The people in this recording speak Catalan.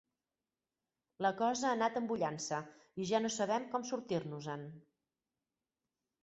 La cosa ha anat embullant-se i ja no sabem com sortir-nos-en!